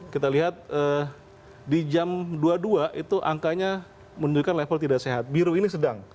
kita lihat di jam dua puluh dua itu angkanya menunjukkan level tidak sehat biru ini sedang